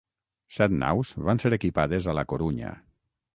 Set naus van ser equipades a La Corunya.